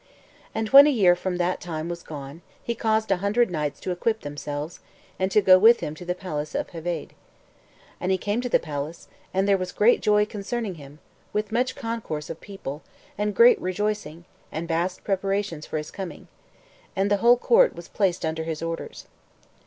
And when a year from that time was gone, he caused a hundred knights to equip themselves, and to go with him to the palace of Heveydd. And he came to the palace, and there was great joy concerning him, with much concourse of people, and great rejoicing, and vast preparations for his coming. And the whole court was placed under his orders.